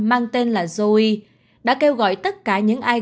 mang tên là joe đã kêu gọi tất cả những ai